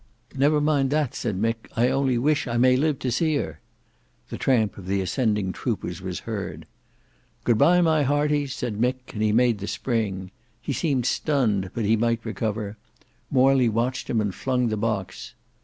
"Never mind that," said Mick. "I only wish I may live to see her." The tramp of the ascending troopers was heard. "Good bye my hearties," said Mick, and he made the spring. He seemed stunned, but he might recover. Morley watched him and flung the box.